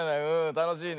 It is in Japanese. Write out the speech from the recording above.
たのしいね。